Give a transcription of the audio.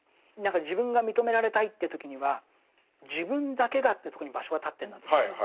自分が認められたいという時には自分だけがというとこに場所は立ってるんだと思うんですよ。